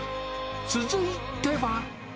続いては。